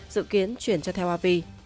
dự kiến chuyển cho theo avi